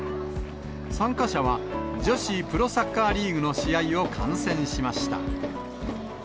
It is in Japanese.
参加者は女子プロサッカーリーグの試合を観戦しました。